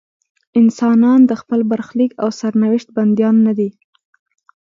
انسانان د خپل برخلیک او سرنوشت بندیان نه دي.